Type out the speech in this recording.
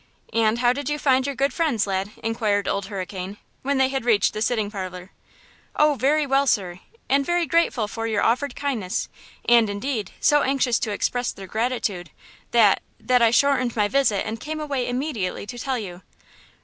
"And how did you find your good friends, lad?" inquired Old Hurricane, when they had reached the sitting parlor. "Oh, very well, sir! and very grateful for your offered kindness; and, indeed, so anxious to express their gratitude–that–that I shortened my visit and came away immediately to tell you."